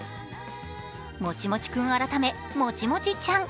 もちもち君改めもちもちちゃん。